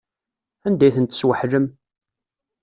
Anda ay ten-tesweḥlem?